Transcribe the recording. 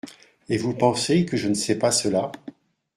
Et vous pensez que je ne sais pas cela ?